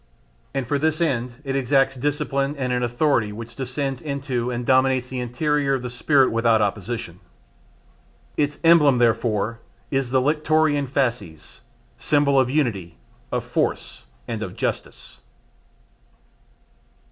And for this end it exacts discipline and an authority which descend into and dominates the interior of the spirit without opposition. Its emblem, therefore, is the lictorian fasces, symbol of unity, of force and of justice.